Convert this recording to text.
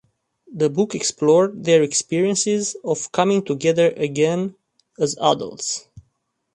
The book explored their experiences of coming together again as adults.